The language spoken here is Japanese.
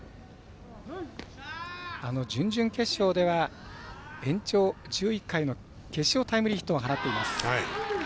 準々決勝では延長１１回の決勝タイムリーヒットを放っています。